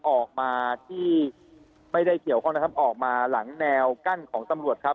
ออกมาที่ไม่ได้เกี่ยวข้องนะครับออกมาหลังแนวกั้นของตำรวจครับ